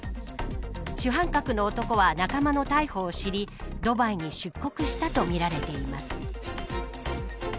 主犯格の男は仲間の逮捕を知りドバイに出国したとみられています。